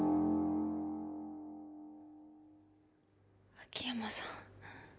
秋山さん。